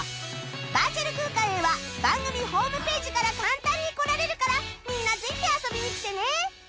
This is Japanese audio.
バーチャル空間へは番組ホームページから簡単に来られるからみんなぜひ遊びに来てね！